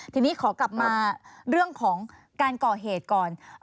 ทีนี้ขอกลับมาเรื่องของการก่อเหตุก่อน